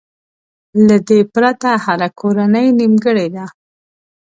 له دې پرته هره کورنۍ نيمګړې ده.